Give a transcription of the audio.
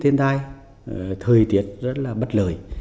thiên thai thời tiết rất là bất lời